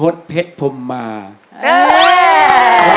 ถูกแล้ว